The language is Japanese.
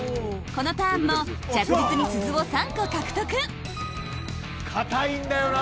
このターンも着実に鈴を３個獲得堅いんだよな。